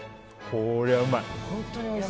こりゃうまい。